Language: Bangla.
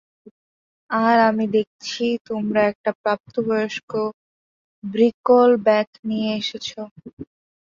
আর আমি দেখছি তোমরা একটা প্রাপ্তবয়স্ক ব্রিকলব্যাক নিয়ে এসেছো।